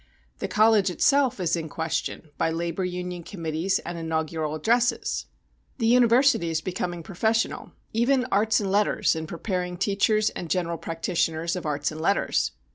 The college itself is in question by labor union committees and inaugural addresses. The university is becoming professional; even Arts and Letters in preparing teachers and general practitioners of arts and letters.